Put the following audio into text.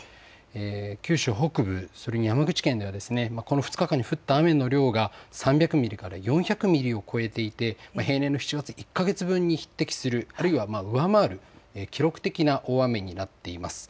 九州北部、それに山口県ではこの２日間に降った雨の量が３００ミリから４００ミリを超えていて平年の７月１か月分に匹敵する、あるいは上回る記録的な大雨になっています。